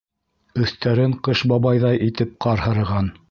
Өҫтәрен ҡыш ба-байҙай итеп ҡар һырыған.